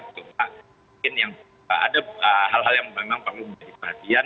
cuma mungkin yang ada hal hal yang memang perlu menjadi perhatian